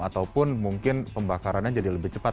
ataupun mungkin pembakarannya jadi lebih cepat